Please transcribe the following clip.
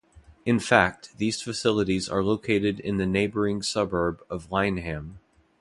In fact, these facilities are located in the neighbouring suburb of Lyneham.